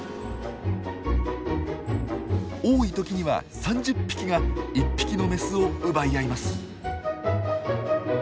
多いときには３０匹が１匹のメスを奪い合います。